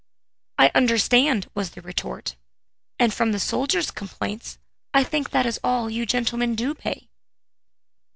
"I understand," was the retort; "and from the soldiers' complaints, I think that is all you gentlemen do pay!"